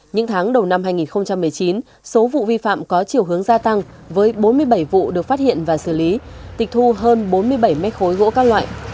những tháng đầu năm hai nghìn một mươi chín số vụ vi phạm có chiều hướng gia tăng với bốn mươi bảy vụ được phát hiện và xử lý tịch thu hơn bốn mươi bảy mét khối gỗ các loại